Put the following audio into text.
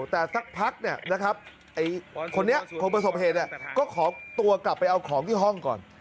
แต่สักพักคนนี้คนประสบเหตุก็ขอตัวกลับไปเอาของที่ห้องก่อน